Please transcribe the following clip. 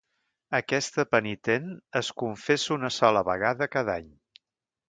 Aquesta penitent es confessa una sola vegada cada any.